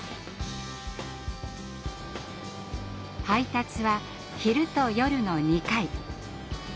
配達は昼と夜の２回。